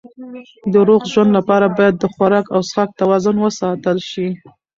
د روغ ژوند لپاره باید د خوراک او څښاک توازن وساتل شي.